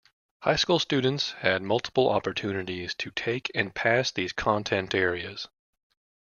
High school students had multiple opportunities to take and pass these content areas.